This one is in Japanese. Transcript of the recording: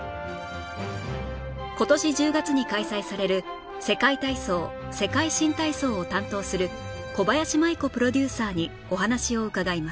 今年１０月に開催される世界体操世界新体操を担当する小林麻衣子プロデューサーにお話を伺います